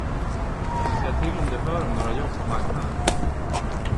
Kan du säga till om du hör om några jobb på marknaden?